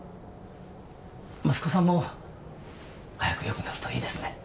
息子さんも早くよくなるといいですね。